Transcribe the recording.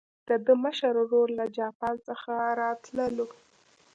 د ده مشر ورور له جاپان څخه راتللو.